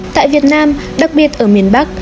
tại việt nam đặc biệt ở miền bắc